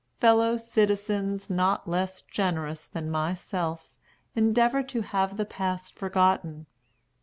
Fellow citizens, not less generous than myself, endeavor to have the past forgotten.